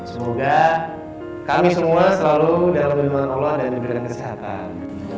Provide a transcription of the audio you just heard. semoga kami semua selalu dalam iman allah dan di bidang kesehatan